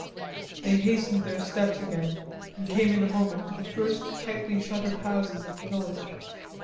They hastened their steps again and came in a moment to the first tightly shuttered houses of the village.